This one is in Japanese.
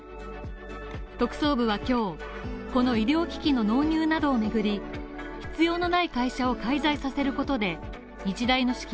特捜部は今日、この医療機器の納入などを巡り、必要のない会社を介在させることで、日大の資金